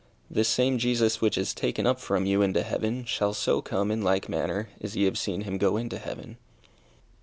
This same Jesus which is taken up from you into heaven shall so come in like manner as ye have seen him go into heaven_."